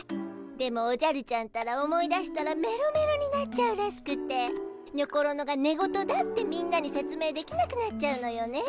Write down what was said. でもおじゃるちゃんったら思い出したらメロメロになっちゃうらしくてにょころのが寝言だってみんなに説明できなくなっちゃうのよね。